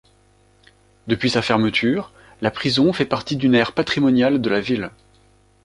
Depuis sa fermeture, la prison fait partie d'une aire patrimoniale de la ville.